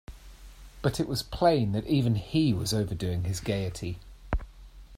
But it was plain that even he was overdoing his gaiety.